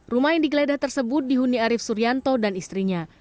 rumah yang digeledah tersebut dihuni arief suryanto dan istrinya